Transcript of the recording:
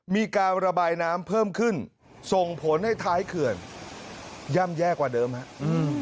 มีการระบายน้ำเพิ่มขึ้นส่งผลให้ท้ายเขื่อนย่ำแย่กว่าเดิมครับ